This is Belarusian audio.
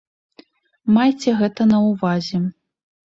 Майце гэта на ўвазе.